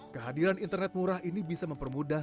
kehadiran internet murah ini bisa mempermudah